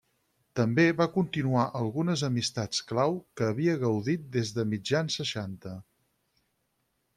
També va continuar algunes amistats clau que havia gaudit des de mitjan seixanta.